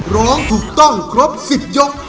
ร้องถูกต้องครบ๑๐ยก